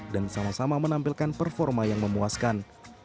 dan sama sama menampilkan performa yang memuaskan